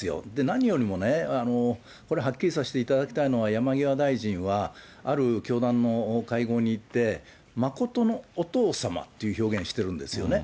何よりもね、これ、はっきりさせていただきたいのは、山際大臣は、ある教団の会合に行って、誠のお父様っていう表現しているんですよね。